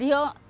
banyak yang ada